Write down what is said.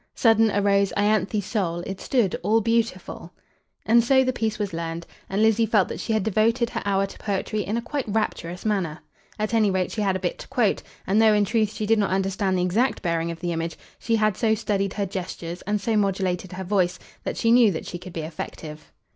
"'Sudden arose Ianthe's soul; it stood all beautiful '" And so the piece was learned, and Lizzie felt that she had devoted her hour to poetry in a quite rapturous manner. At any rate she had a bit to quote; and though in truth she did not understand the exact bearing of the image, she had so studied her gestures, and so modulated her voice, that she knew that she could be effective.